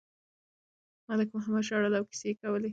ملک محمد ژړل او کیسې یې کولې.